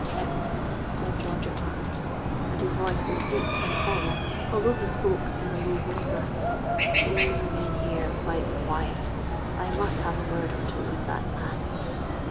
"'Tim,' said George at last,—and his voice was deep and hollow, although he spoke in a low whisper,—'do you remain here quite quiet: I must have a word or two with that man.'